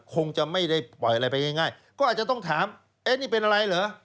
คงจะไม่ได้ปล่อยอะไรไปง่ายก็อาจจะต้องถามเอ๊ะนี่เป็นอะไรเหรอ